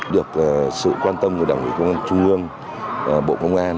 được sự quan tâm của đảng ủy công an trung ương bộ công an